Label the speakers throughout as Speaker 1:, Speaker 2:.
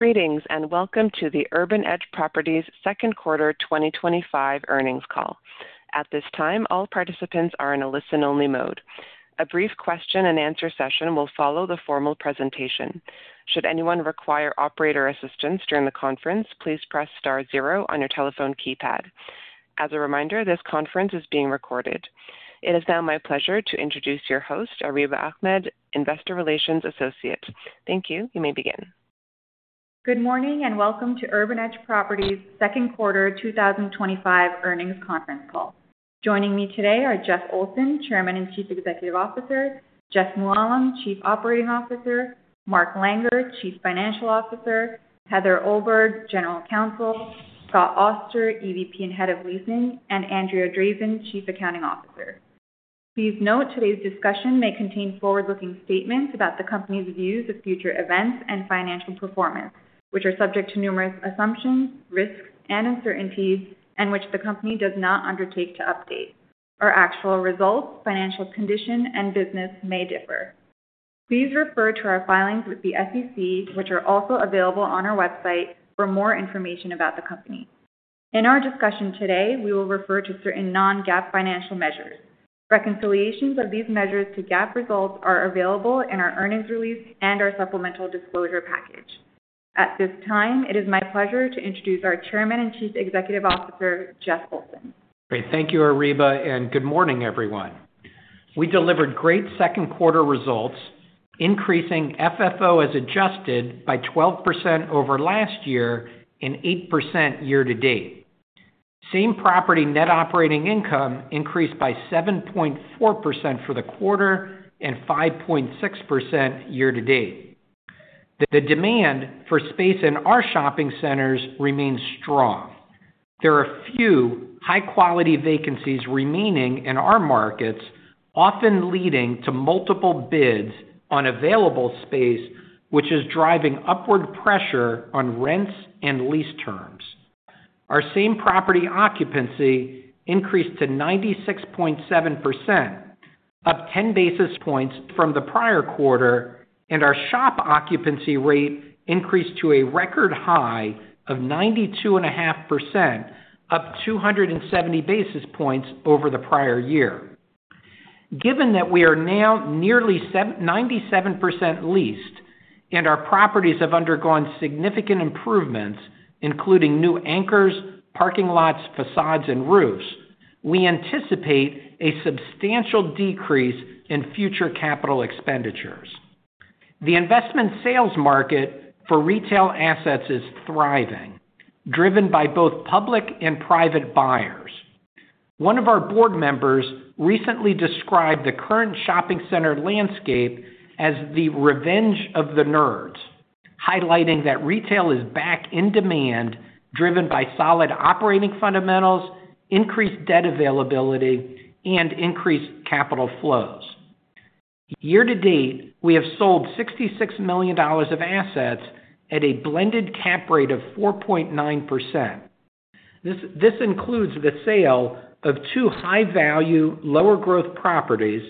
Speaker 1: Greetings, and welcome to the Urban Edge Properties second quarter 2025 earnings call. At this time, all participants are in a listen-only mode. A brief question and answer session will follow the formal presentation. Should anyone require operator assistance during the conference, please press star zero on your telephone keypad. As a reminder, this conference is being recorded. It is now my pleasure to introduce your host, Areeba Ahmed, Investor Relations Associate. Thank you. You may begin.
Speaker 2: Good morning and welcome to Urban Edge Properties second quarter 2025 earnings conference call. Joining me today are Jeff Olson, Chairman and Chief Executive Officer; Jeff Mooallem, Chief Operating Officer; Mark Langer, Chief Financial Officer; Heather Ohlberg, General Counsel; Scott Auster, EVP and Head of Leasing; and Andrea Drazin, Chief Accounting Officer. Please note today's discussion may contain forward-looking statements about the company's views of future events and financial performance, which are subject to numerous assumptions, risks, and uncertainties, and which the company does not undertake to update. Our actual results, financial condition, and business may differ. Please refer to our filings with the SEC, which are also available on our website, for more information about the company. In our discussion today, we will refer to certain non-GAAP financial measures. Reconciliations of these measures to GAAP results are available in our earnings release and our supplemental disclosure package. At this time, it is my pleasure to introduce our Chairman and Chief Executive Officer, Jeff Olson.
Speaker 3: Great. Thank you, Areeba, and good morning, everyone. We delivered great second quarter results, increasing FFO as adjusted by 12% over last year and 8% year to date. Same property net operating income increased by 7.4% for the quarter and 5.6% year to date. The demand for space in our shopping centers remains strong. There are few high-quality vacancies remaining in our markets, often leading to multiple bids on available space, which is driving upward pressure on rents and lease terms. Our same property occupancy increased to 96.7%, up 10 basis points from the prior quarter, and our shop occupancy rate increased to a record high of 92.5%, up 270 basis points over the prior year. Given that we are now nearly 97% leased and our properties have undergone significant improvements, including new anchors, parking lots, facades, and roofs, we anticipate a substantial decrease in future capital expenditures. The investment sales market for retail assets is thriving, driven by both public and private buyers. One of our board members recently described the current shopping center landscape as the revenge of the nerds, highlighting that retail is back in demand, driven by solid operating fundamentals, increased debt availability, and increased capital flows. Year to date, we have sold $66 million of assets at a blended cap rate of 4.9%. This includes the sale of two high-value, lower-growth properties,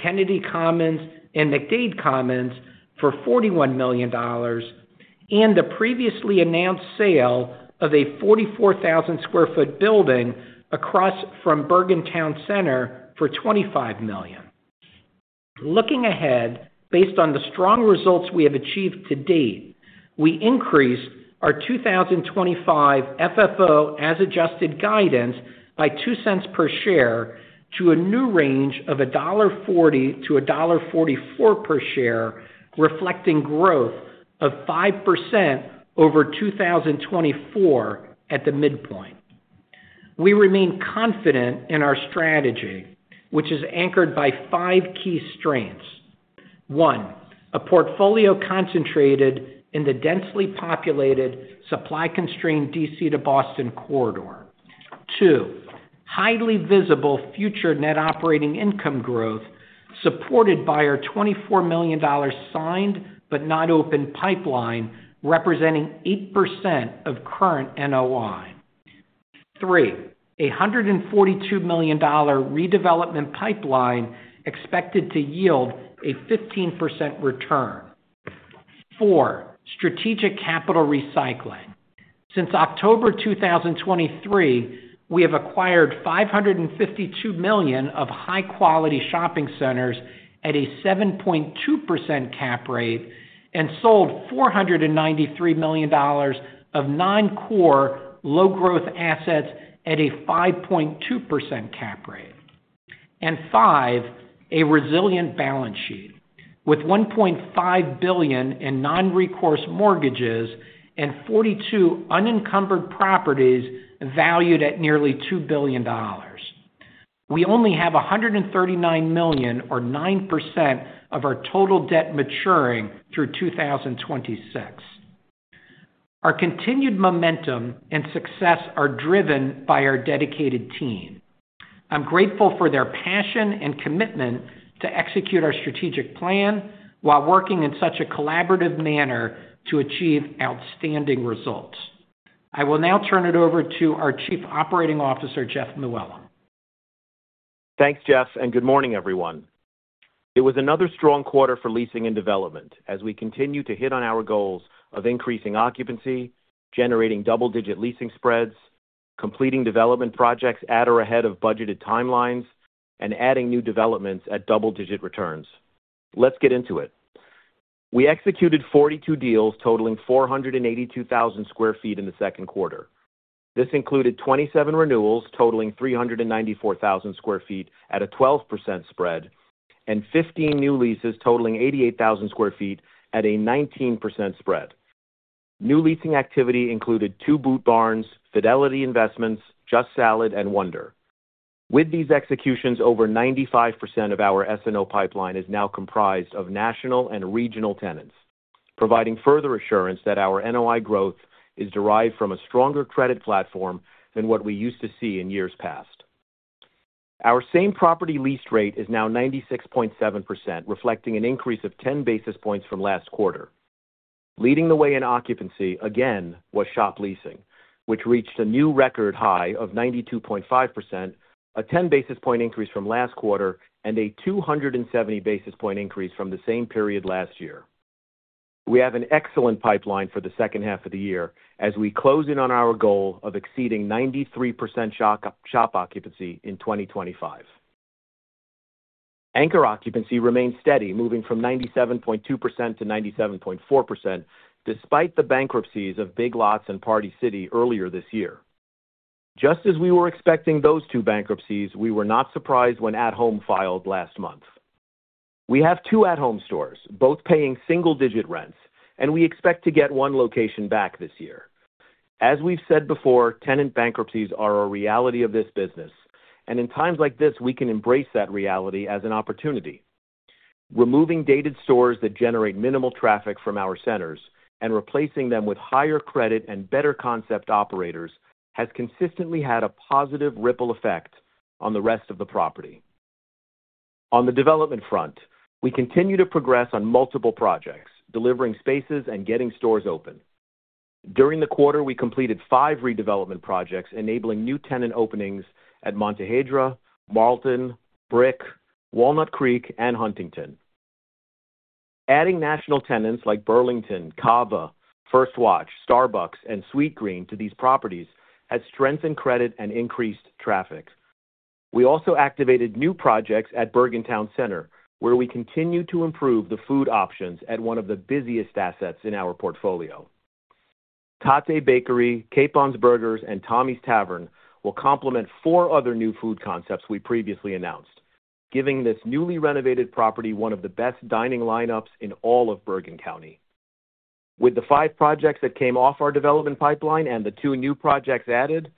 Speaker 3: Kennedy Commons and MacDade Commons, for $41 million, and a previously announced sale of a 44,000 sq ft building across from Bergen Town Center for $25 million. Looking ahead, based on the strong results we have achieved to date, we increased our 2025 FFO as adjusted guidance by $0.02 per share to a new range of $1.40 to $1.44 per share, reflecting growth of 5% over 2024 at the midpoint. We remain confident in our strategy, which is anchored by five key strengths: one, a portfolio concentrated in the densely populated supply-constrained D.C. to Boston corridor; two, highly visible future net operating income growth supported by our $24 million signed but not open pipeline, representing 8% of current NOI; three, a $142 million redevelopment pipeline expected to yield a 15% return; four, strategic capital recycling. Since October 2023, we have acquired $552 million of high-quality shopping centers at a 7.2% cap rate and sold $493 million of non-core low-growth assets at a 5.2% cap rate. Five, a resilient balance sheet with $1.5 billion in non-recourse mortgages and 42 unencumbered properties valued at nearly $2 billion. We only have $139 million, or 9% of our total debt maturing through 2026. Our continued momentum and success are driven by our dedicated team. I'm grateful for their passion and commitment to execute our strategic plan while working in such a collaborative manner to achieve outstanding results. I will now turn it over to our Chief Operating Officer, Jeff Mooallem.
Speaker 4: Thanks, Jeff, and good morning, everyone. It was another strong quarter for leasing and development as we continue to hit on our goals of increasing occupancy, generating double-digit leasing spreads, completing development projects at or ahead of budgeted timelines, and adding new developments at double-digit returns. Let's get into it. We executed 42 deals totaling 482,000 sq ft in the second quarter. This included 27 renewals totaling 394,000 sq ft at a 12% spread and 15 new leases totaling 88,000 sq ft at a 19% spread. New leasing activity included two Boot Barns, Fidelity Investments, Just Salad, and Wonder. With these executions, over 95% of our S&O pipeline is now comprised of national and regional tenants, providing further assurance that our NOI growth is derived from a stronger credit platform than what we used to see in years past. Our same property lease rate is now 96.7%, reflecting an increase of 10 basis points from last quarter. Leading the way in occupancy again was shop leasing, which reached a new record high of 92.5%, a 10 basis point increase from last quarter, and a 270 basis point increase from the same period last year. We have an excellent pipeline for the second half of the year as we close in on our goal of exceeding 93% shop occupancy in 2025. Anchor occupancy remains steady, moving from 97.2% to 97.4% despite the bankruptcies of Big Lots and Party City earlier this year. Just as we were expecting those two bankruptcies, we were not surprised when At Home filed last month. We have two At Home stores, both paying single-digit rents, and we expect to get one location back this year. As we've said before, tenant bankruptcies are a reality of this business, and in times like this, we can embrace that reality as an opportunity. Removing dated stores that generate minimal traffic from our centers and replacing them with higher credit and better concept operators has consistently had a positive ripple effect on the rest of the property. On the development front, we continue to progress on multiple projects, delivering spaces and getting stores open. During the quarter, we completed five redevelopment projects enabling new tenant openings at Montehiedra, Marlton, Brick, Walnut Creek, and Huntington. Adding national tenants like Burlington, CAVA, First Watch, Starbucks, and sweetgreen to these properties has strengthened credit and increased traffic. We also activated new projects at Bergen Town Center, where we continue to improve the food options at one of the busiest assets in our portfolio. Tatte Bakery, Capon's Burgers, and Tommy's Tavern will complement four other new food concepts we previously announced, giving this newly renovated property one of the best dining lineups in all of Bergen County. With the five projects that came off our development pipeline and the two new projects added,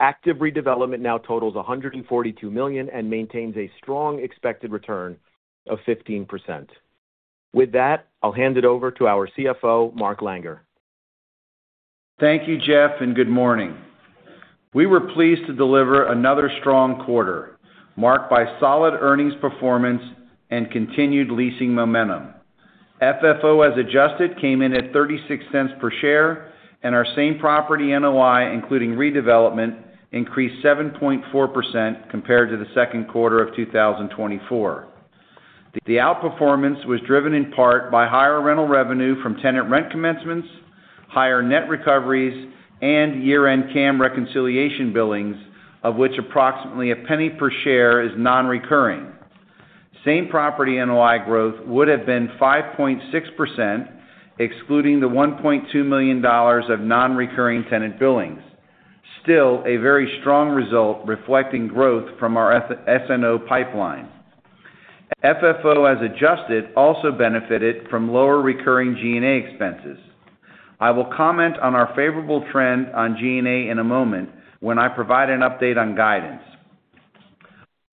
Speaker 4: active redevelopment now totals $142 million and maintains a strong expected return of 15%. With that, I'll hand it over to our CFO, Mark Langer.
Speaker 5: Thank you, Jeff, and good morning. We were pleased to deliver another strong quarter marked by solid earnings performance and continued leasing momentum. FFO as adjusted came in at $0.36 per share, and our same property NOI, including redevelopment, increased 7.4% compared to the second quarter of 2024. The outperformance was driven in part by higher rental revenue from tenant rent commencements, higher net recoveries, and year-end CAM reconciliation billings, of which approximately a penny per share is non-recurring. same property NOI growth would have been 5.6%, excluding the $1.2 million of non-recurring tenant billings. Still, a very strong result reflecting growth from our S&O pipeline. FFO as adjusted also benefited from lower recurring G&A expenses. I will comment on our favorable trend on G&A in a moment when I provide an update on guidance.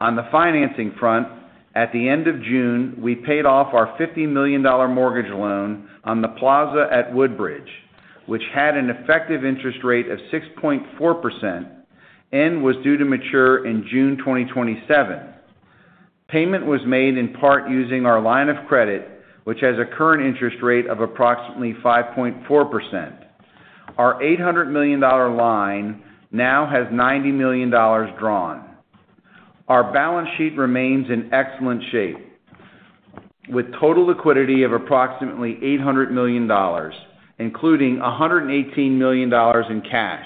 Speaker 5: On the financing front, at the end of June, we paid off our $50 million mortgage loan on The Plaza at Woodbridge, which had an effective interest rate of 6.4% and was due to mature in June 2027. Payment was made in part using our line of credit, which has a current interest rate of approximately 5.4%. Our $800 million line now has $90 million drawn. Our balance sheet remains in excellent shape, with total liquidity of approximately $800 million, including $118 million in cash.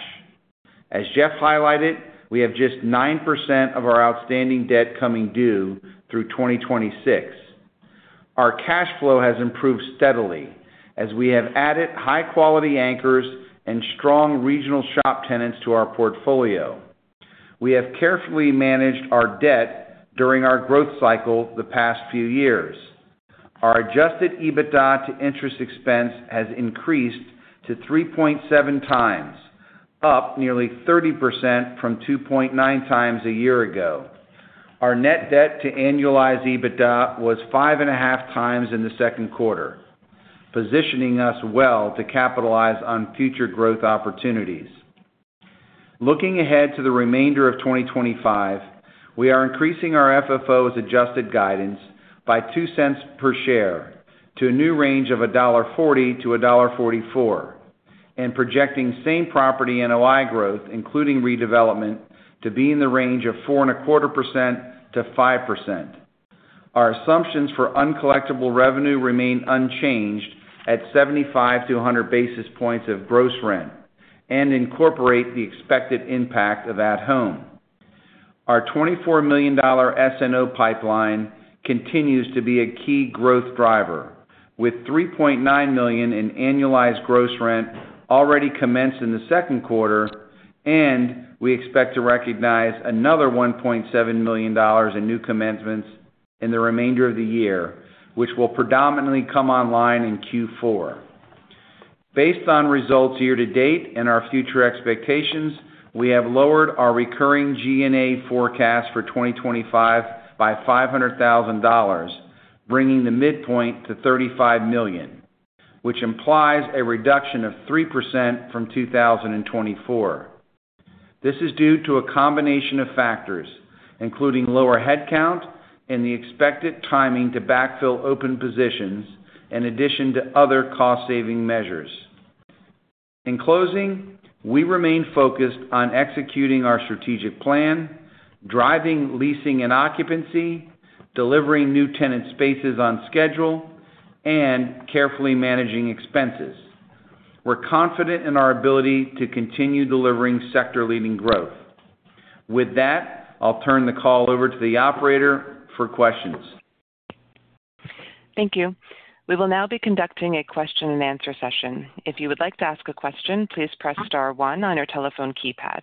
Speaker 5: As Jeff highlighted, we have just 9% of our outstanding debt coming due through 2026. Our cash flow has improved steadily as we have added high-quality anchors and strong regional shop tenants to our portfolio. We have carefully managed our debt during our growth cycle the past few years. Our adjusted EBITDA to interest expense has increased to 3.7 times, up nearly 30% from 2.9 times a year ago. Our net debt to annualized EBITDA was five and a half times in the second quarter, positioning us well to capitalize on future growth opportunities. Looking ahead to the remainder of 2025, we are increasing our FFO as adjusted guidance by $0.02 per share to a new range of $1.40-$1.44 and projecting same property NOI growth, including redevelopment, to be in the range of 4.25%-5%. Our assumptions for uncollectible revenue remain unchanged at 75-100 basis points of gross rent and incorporate the expected impact of At Home. Our $24 million S&O pipeline continues to be a key growth driver, with $3.9 million in annualized gross rent already commenced in the second quarter, and we expect to recognize another $1.7 million in new commencements in the remainder of the year, which will predominantly come online in Q4. Based on results year to date and our future expectations, we have lowered our recurring G&A forecast for 2025 by $500,000, bringing the midpoint to $35 million, which implies a reduction of 3% from 2024. This is due to a combination of factors, including lower headcount and the expected timing to backfill open positions in addition to other cost-saving measures. In closing, we remain focused on executing our strategic plan, driving leasing and occupancy, delivering new tenant spaces on schedule, and carefully managing expenses. We're confident in our ability to continue delivering sector-leading growth. With that, I'll turn the call over to the operator for questions.
Speaker 1: Thank you. We will now be conducting a question and answer session. If you would like to ask a question, please press star one on your telephone keypad.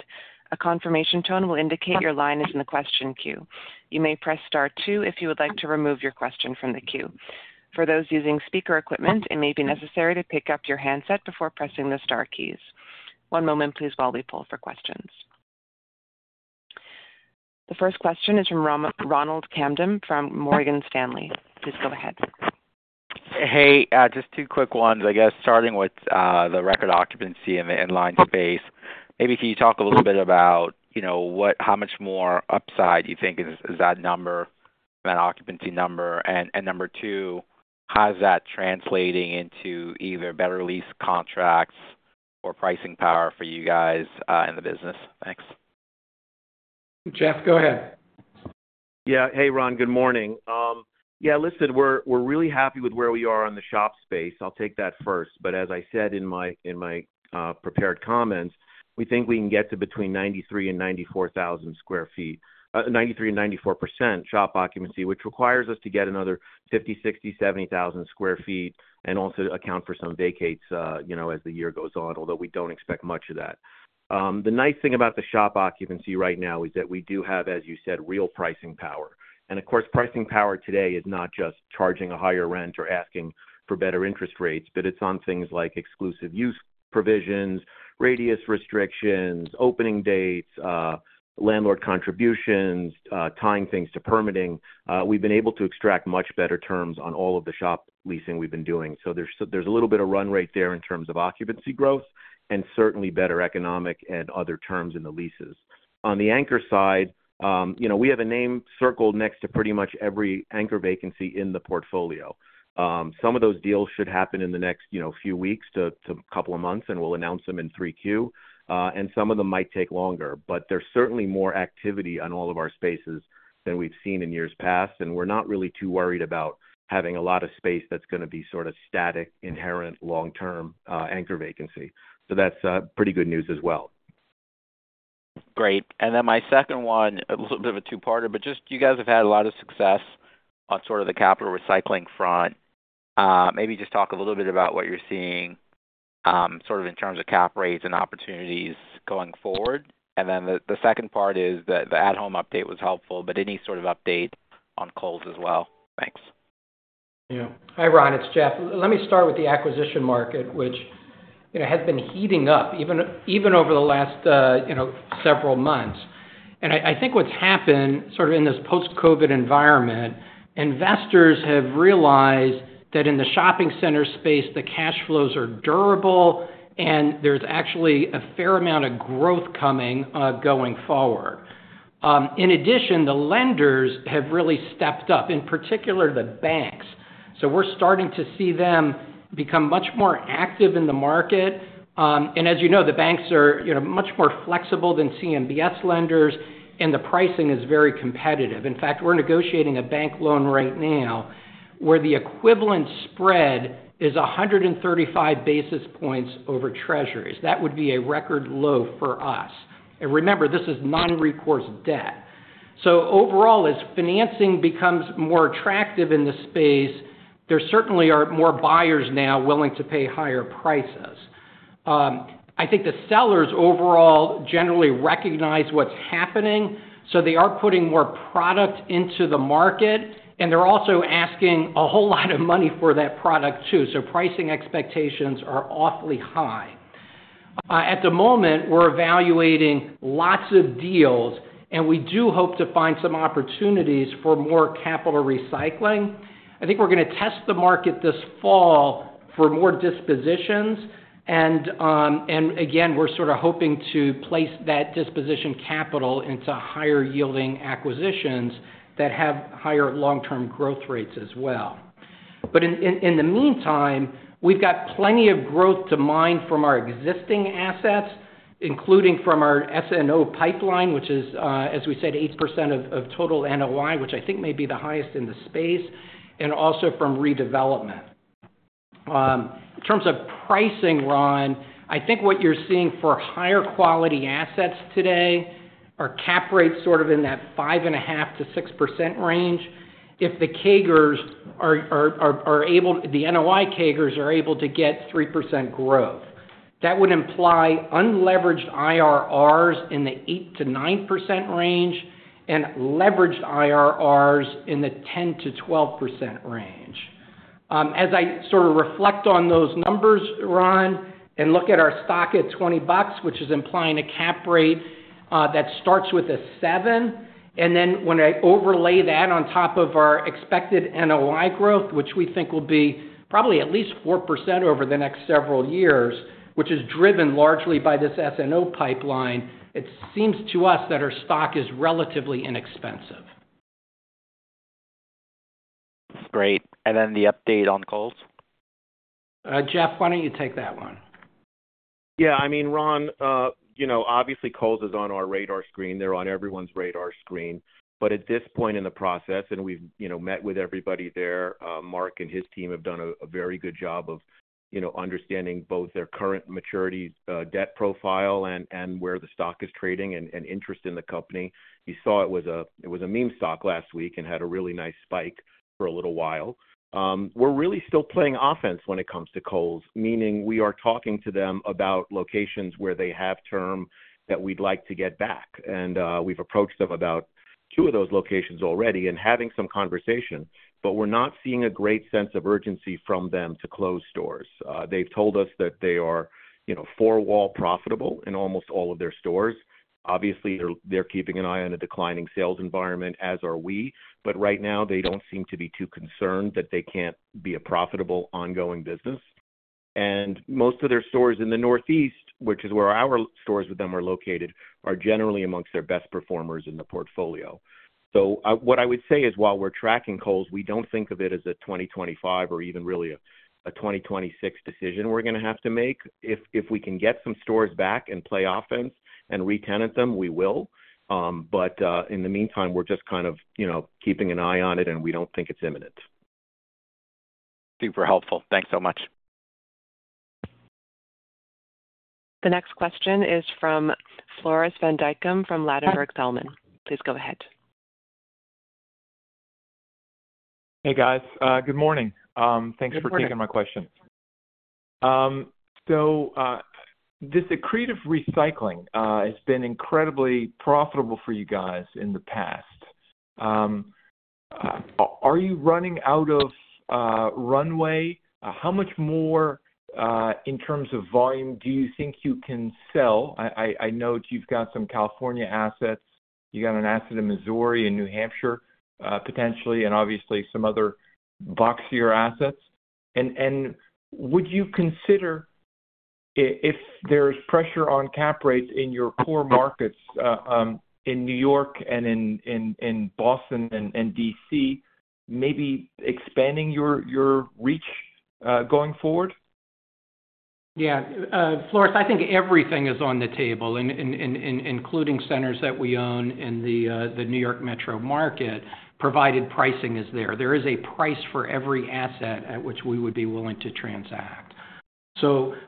Speaker 1: A confirmation tone will indicate your line is in the question queue. You may press star two if you would like to remove your question from the queue. For those using speaker equipment, it may be necessary to pick up your handset before pressing the star keys. One moment, please, while we pull for questions. The first question is from Ronald Kamdem from Morgan Stanley. Please go ahead.
Speaker 6: Hey, just two quick ones, I guess. Starting with the record occupancy in the inline space, maybe can you talk a little bit about how much more upside you think is at that number, that occupancy number? Number two, how is that translating into either better lease contracts or pricing power for you guys in the business? Thanks.
Speaker 3: Jeff, go ahead.
Speaker 4: Yeah. Hey, Ron, good morning. Yeah, listen, we're really happy with where we are on the shop space. I'll take that first. As I said in my prepared comments, we think we can get to between 93% and 94% shop occupancy, which requires us to get another 50,000, 60,000, 70,000 sq ft and also account for some vacates as the year goes on, although we don't expect much of that. The nice thing about the shop occupancy right now is that we do have, as you said, real pricing power. Of course, pricing power today is not just charging a higher rent or asking for better interest rates, but it's on things like exclusive use provisions, radius restrictions, opening dates, landlord contributions, tying things to permitting. We've been able to extract much better terms on all of the shop leasing we've been doing. There's a little bit of run rate there in terms of occupancy growth and certainly better economic and other terms in the leases. On the anchor side, we have a name circled next to pretty much every anchor vacancy in the portfolio. Some of those deals should happen in the next few weeks to a couple of months, and we'll announce them in 3Q. Some of them might take longer, but there's certainly more activity on all of our spaces than we've seen in years past. We're not really too worried about having a lot of space that's going to be sort of static, inherent long-term anchor vacancy. That's pretty good news as well.
Speaker 6: Great. My second one is a little bit of a two-parter. You guys have had a lot of success on the capital recycling front. Maybe just talk a little bit about what you're seeing in terms of cap rates and opportunities going forward. The At Home update was helpful, but any update on Kohl's as well? Thanks.
Speaker 3: Yeah. Hi, Ron, it's Jeff. Let me start with the acquisition market, which has been heating up even over the last several months. I think what's happened sort of in this post-COVID environment, investors have realized that in the shopping center space, the cash flows are durable and there's actually a fair amount of growth coming going forward. In addition, the lenders have really stepped up, in particular the banks. We're starting to see them become much more active in the market. As you know, the banks are much more flexible than CMBS lenders, and the pricing is very competitive. In fact, we're negotiating a bank loan right now where the equivalent spread is 135 basis points over treasuries. That would be a record low for us. Remember, this is non-recourse debt. Overall, as financing becomes more attractive in this space, there certainly are more buyers now willing to pay higher prices. I think the sellers overall generally recognize what's happening, so they are putting more product into the market, and they're also asking a whole lot of money for that product too. Pricing expectations are awfully high. At the moment, we're evaluating lots of deals, and we do hope to find some opportunities for more capital recycling. I think we're going to test the market this fall for more dispositions. We're sort of hoping to place that disposition capital into higher yielding acquisitions that have higher long-term growth rates as well. In the meantime, we've got plenty of growth to mine from our existing assets, including from our S&O pipeline, which is, as we said, 8% of total NOI, which I think may be the highest in the space, and also from redevelopment. In terms of pricing, Ron, I think what you're seeing for higher quality assets today are cap rates sort of in that 5.5% to 6% range. If the NOI CAGRs are able to get 3% growth, that would imply unleveraged IRRs in the 8% to 9% range and leveraged IRRs in the 10% to 12% range. As I sort of reflect on those numbers, Ron, and look at our stock at $20, which is implying a cap rate that starts with a seven, and then when I overlay that on top of our expected NOI growth, which we think will be probably at least 4% over the next several years, which is driven largely by this S&O pipeline, it seems to us that our stock is relatively inexpensive.
Speaker 6: That's great. Is there an update on Kohl's?
Speaker 3: Jeff, why don't you take that one?
Speaker 4: Yeah, I mean, Ron, obviously Kohl's is on our radar screen. They're on everyone's radar screen. At this point in the process, we've met with everybody there. Mark and his team have done a very good job of understanding both their current maturity debt profile and where the stock is trading and interest in the company. You saw it was a meme stock last week and had a really nice spike for a little while. We're really still playing offense when it comes to Kohl's, meaning we are talking to them about locations where they have term that we'd like to get back. We've approached them about two of those locations already and having some conversation, but we're not seeing a great sense of urgency from them to close stores. They've told us that they are four wall profitable in almost all of their stores. Obviously, they're keeping an eye on a declining sales environment, as are we. Right now, they don't seem to be too concerned that they can't be a profitable ongoing business. Most of their stores in the northeast, which is where our stores with them are located, are generally amongst their best performers in the portfolio. What I would say is while we're tracking Kohl's, we don't think of it as a 2025 or even really a 2026 decision we're going to have to make. If we can get some stores back and play offense and re-tenant them, we will. In the meantime, we're just kind of keeping an eye on it and we don't think it's imminent.
Speaker 6: Super helpful. Thanks so much.
Speaker 1: The next question is from Floris Van Dijkum from Ladenburg Thalmann. Please go ahead.
Speaker 7: Hey guys, good morning. Thanks for taking my questions. This accretive recycling has been incredibly profitable for you guys in the past. Are you running out of runway? How much more in terms of volume do you think you can sell? I note you've got some California assets, you got an asset in Missouri and New Hampshire, potentially, and obviously some other boxier assets. Would you consider, if there's pressure on cap rates in your core markets, in New York and in Boston and D.C., maybe expanding your reach going forward?
Speaker 3: Yeah, Floris, I think everything is on the table, including centers that we own in the New York metro market, provided pricing is there. There is a price for every asset at which we would be willing to transact.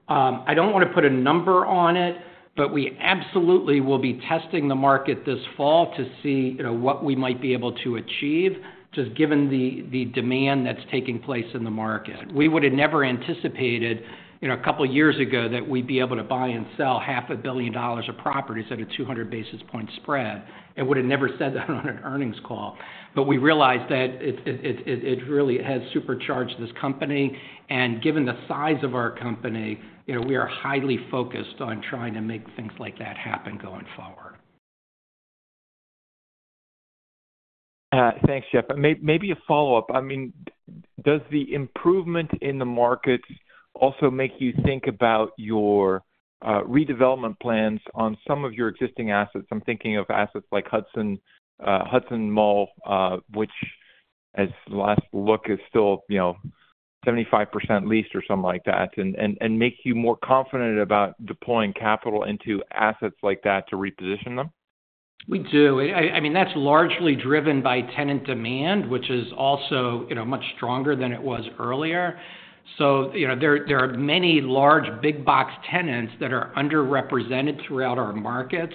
Speaker 3: I don't want to put a number on it, but we absolutely will be testing the market this fall to see what we might be able to achieve, just given the demand that's taking place in the market. We would have never anticipated a couple of years ago that we'd be able to buy and sell $500 million of properties at a 200 basis point spread. I would have never said that on an earnings call. We realized that it really has supercharged this company. Given the size of our company, we are highly focused on trying to make things like that happen going forward.
Speaker 7: Thanks, Jeff. Maybe a follow-up. Does the improvement in the market also make you think about your redevelopment plans on some of your existing assets? I'm thinking of assets like Hudson Mall, which as last look is still 75% leased or something like that, and make you more confident about deploying capital into assets like that to reposition them?
Speaker 3: We do. I mean, that's largely driven by tenant demand, which is also much stronger than it was earlier. There are many large big box tenants that are underrepresented throughout our markets,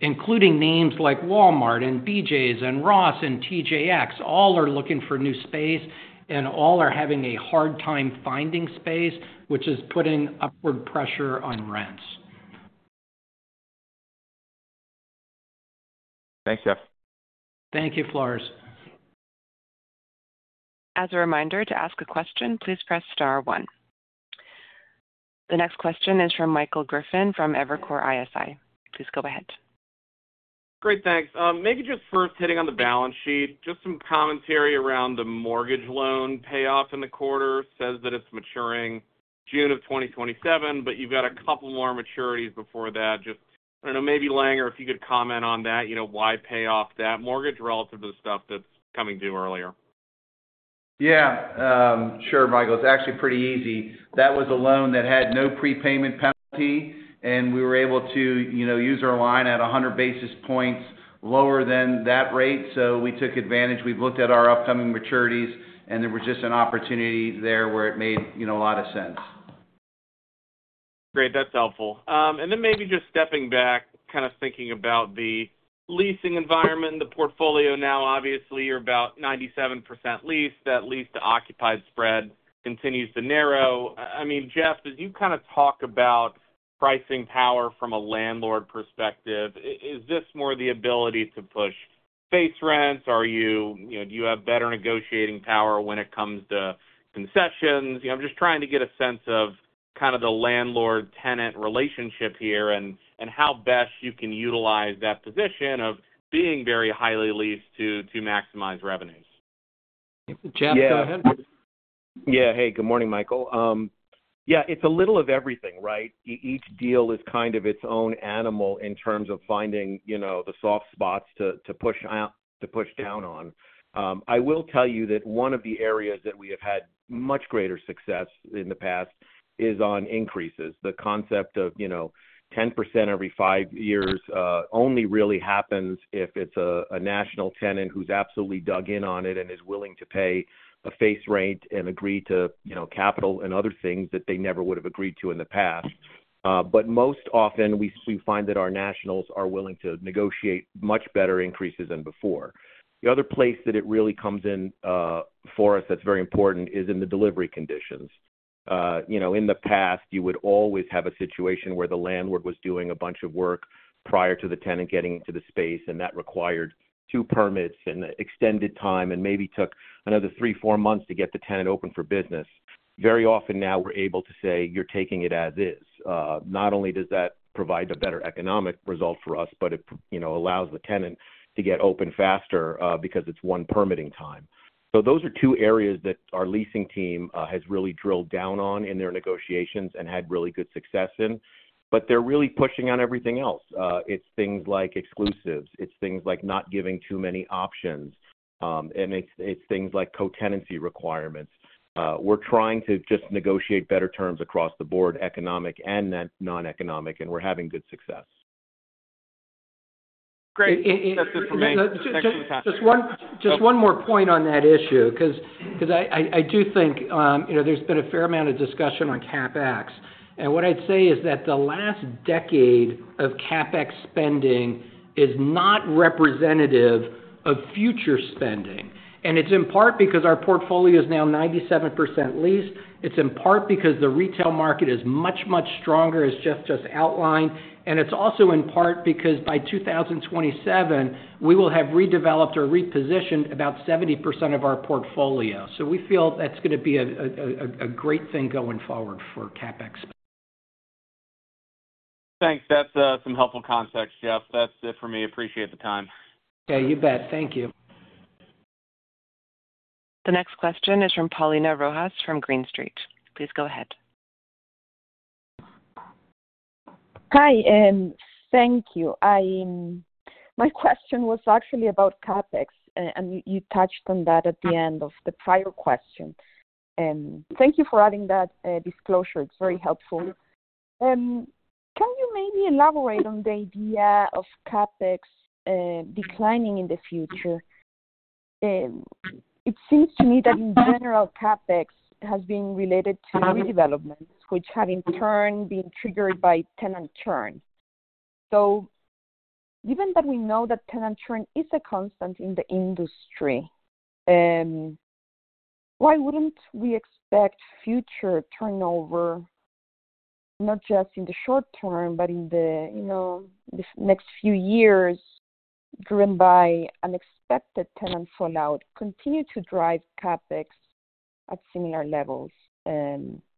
Speaker 3: including names like Walmart, BJ's, Ross, and TJX. All are looking for new space and all are having a hard time finding space, which is putting upward pressure on rents.
Speaker 7: Thanks, Jeff.
Speaker 3: Thank you, Floris.
Speaker 1: As a reminder, to ask a question, please press star one. The next question is from Michael Griffin from Evercore ISI. Please go ahead.
Speaker 8: Great, thanks. Maybe just first hitting on the balance sheet, just some commentary around the mortgage loan payoff in the quarter. It says that it's maturing June of 2027, but you've got a couple more maturities before that. Maybe Langer, if you could comment on that, you know, why pay off that mortgage relative to the stuff that's coming due earlier?
Speaker 5: Yeah, sure, Michael. It's actually pretty easy. That was a loan that had no prepayment penalty, and we were able to use our line at 100 basis points lower than that rate. We took advantage. We've looked at our upcoming maturities, and there was just an opportunity there where it made a lot of sense.
Speaker 8: Great, that's helpful. Maybe just stepping back, kind of thinking about the leasing environment in the portfolio. Obviously, you're about 97% leased. That lease to occupied spread continues to narrow. Jeff, as you kind of talk about pricing power from a landlord perspective, is this more the ability to push face rents? Do you have better negotiating power when it comes to concessions? I'm just trying to get a sense of the landlord-tenant relationship here and how best you can utilize that position of being very highly leased to maximize revenues.
Speaker 4: Yeah.
Speaker 8: Jeff, go ahead.
Speaker 4: Yeah, hey, good morning, Michael. Yeah, it's a little of everything, right? Each deal is kind of its own animal in terms of finding the soft spots to push down on. I will tell you that one of the areas that we have had much greater success in the past is on increases. The concept of 10% every five years only really happens if it's a national tenant who's absolutely dug in on it and is willing to pay a face rate and agree to capital and other things that they never would have agreed to in the past. Most often, we find that our nationals are willing to negotiate much better increases than before. The other place that it really comes in for us that's very important is in the delivery conditions. In the past, you would always have a situation where the landlord was doing a bunch of work prior to the tenant getting into the space, and that required two permits and extended time and maybe took another three, four months to get the tenant open for business. Very often now, we're able to say you're taking it as is. Not only does that provide a better economic result for us, but it allows the tenant to get open faster because it's one permitting time. Those are two areas that our leasing team has really drilled down on in their negotiations and had really good success in. They're really pushing on everything else. It's things like exclusives. It's things like not giving too many options. It's things like co-tenancy requirements. We're trying to just negotiate better terms across the board, economic and non-economic, and we're having good success.
Speaker 8: Great.
Speaker 3: Just one more point on that issue, because I do think there's been a fair amount of discussion on CapEx. What I'd say is that the last decade of CapEx spending is not representative of future spending. It's in part because our portfolio is now 97% leased, in part because the retail market is much, much stronger, as Jeff just outlined, and also in part because by 2027, we will have redeveloped or repositioned about 70% of our portfolio. We feel that's going to be a great thing going forward for CapEx spending.
Speaker 8: Thanks. That's some helpful context, Jeff. That's it for me. Appreciate the time.
Speaker 3: Yeah, you bet. Thank you.
Speaker 1: The next question is from Paulina Rojas from Green Street. Please go ahead.
Speaker 9: Hi, and thank you. My question was actually about CapEx, and you touched on that at the end of the prior question. Thank you for adding that disclosure. It's very helpful. Can you maybe elaborate on the idea of CapEx declining in the future? It seems to me that in general, CapEx has been related to redevelopments, which have in turn been triggered by tenant churn. Given that we know that tenant churn is a constant in the industry, why wouldn't we expect future turnover, not just in the short term, but in the next few years, driven by an expected tenant fallout, to continue to drive CapEx at similar levels?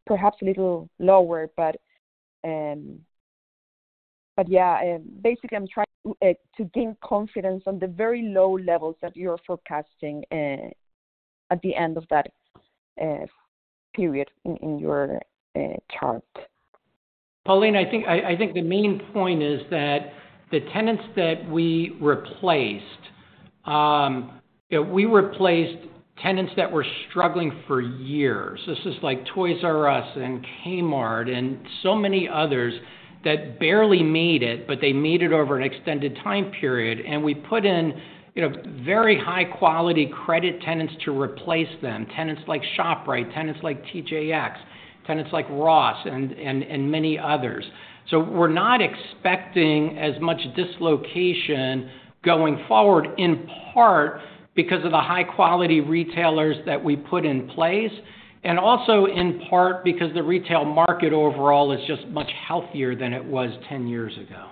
Speaker 9: Perhaps a little lower, but basically, I'm trying to gain confidence on the very low levels that you're forecasting at the end of that period in your chart.
Speaker 3: Paulina, I think the main point is that the tenants that we replaced, you know, we replaced tenants that were struggling for years. This is like Toys R Us and Kmart and so many others that barely made it, but they made it over an extended time period. We put in, you know, very high-quality credit tenants to replace them, tenants like ShopRite, tenants like TJX, tenants like Ross, and many others. We're not expecting as much dislocation going forward in part because of the high-quality retailers that we put in place, and also in part because the retail market overall is just much healthier than it was 10 years ago.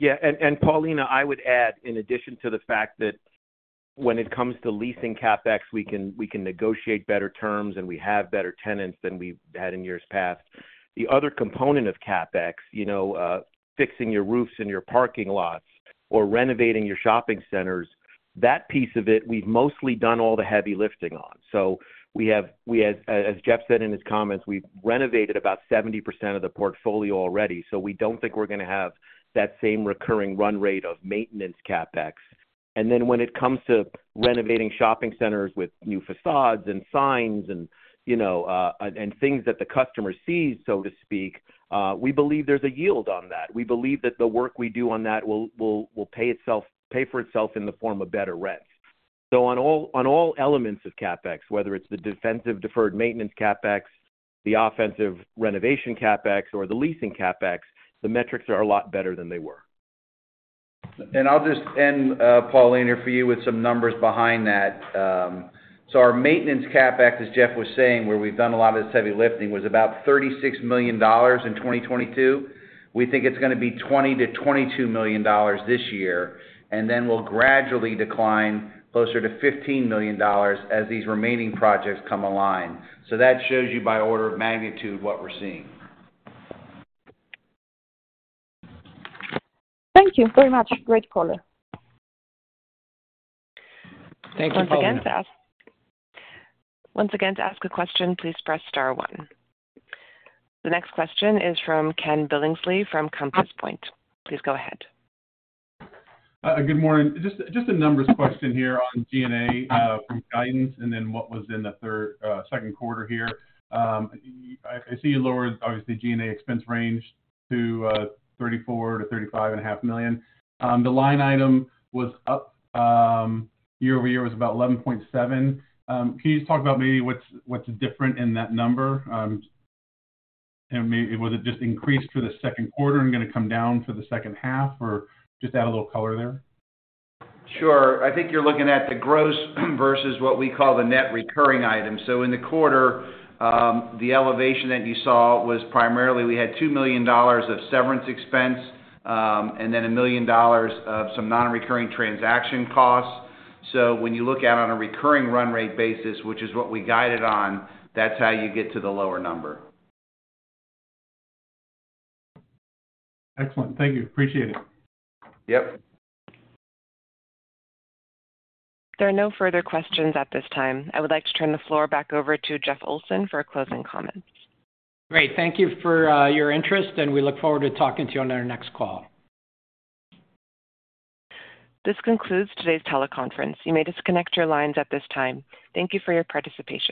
Speaker 4: Yeah, and Paulina, I would add, in addition to the fact that when it comes to leasing CapEx, we can negotiate better terms and we have better tenants than we had in years past. The other component of CapEx, you know, fixing your roofs in your parking lots or renovating your shopping centers, that piece of it, we've mostly done all the heavy lifting on. We have, as Jeff said in his comments, renovated about 70% of the portfolio already. We don't think we're going to have that same recurring run rate of maintenance CapEx. When it comes to renovating shopping centers with new facades and signs and, you know, things that the customer sees, so to speak, we believe there's a yield on that. We believe that the work we do on that will pay for itself in the form of better rents. On all elements of CapEx, whether it's the defensive deferred maintenance CapEx, the offensive renovation CapEx, or the leasing CapEx, the metrics are a lot better than they were.
Speaker 5: I'll just end, Paulina, for you with some numbers behind that. Our maintenance CapEx, as Jeff was saying, where we've done a lot of this heavy lifting, was about $36 million in 2022. We think it's going to be $20 million to $22 million this year, and then we'll gradually decline closer to $15 million as these remaining projects come online. That shows you by order of magnitude what we're seeing.
Speaker 9: Thank you very much. Great call.
Speaker 3: Thank you, Paulina.
Speaker 1: Once again, to ask a question, please press star one. The next question is from Ken Billingsley from Compass Point. Please go ahead.
Speaker 10: Good morning. Just a numbers question here on G&A from guidance and then what was in the second quarter here. I see you lowered, obviously, G&A expense range to $34 million to $35.5 million. The line item was up year over year, was about $11.7 million. Can you just talk about maybe what's different in that number? Was it just increased for the second quarter and going to come down for the second half or just add a little color there?
Speaker 5: Sure. I think you're looking at the gross versus what we call the net recurring items. In the quarter, the elevation that you saw was primarily we had $2 million of severance expense and $1 million of some non-recurring transaction costs. When you look at it on a recurring run rate basis, which is what we guided on, that's how you get to the lower number.
Speaker 10: Excellent. Thank you. Appreciate it.
Speaker 5: Yep.
Speaker 1: There are no further questions at this time. I would like to turn the floor back over to Jeff Olson for closing comments.
Speaker 3: Great. Thank you for your interest, and we look forward to talking to you on our next call.
Speaker 1: This concludes today's teleconference. You may disconnect your lines at this time. Thank you for your participation.